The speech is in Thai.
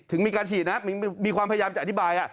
มีการฉีดนะมีความพยายามจะอธิบาย